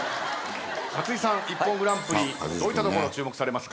勝地さん『ＩＰＰＯＮグランプリ』どういったところ注目されます？